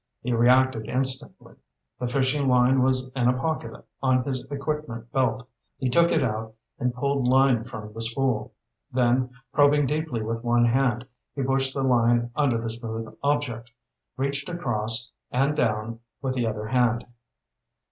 He reacted instantly. The fishing line was in a pocket on his equipment belt. He took it out and pulled line from the spool. Then, probing deeply with one hand, he pushed the line under the smooth object, reached across and down with the other hand.